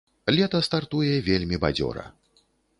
Лета стартуе вельмі бадзёра.